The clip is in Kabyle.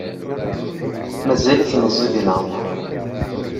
Mazal-it meẓẓiy deg leɛmeṛ.